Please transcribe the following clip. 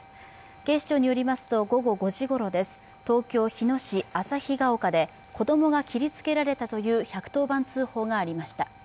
警視庁によりますと、午後５時ごろです東京・日野市旭が丘で子供が切りつけられたという１１０番通報がありました。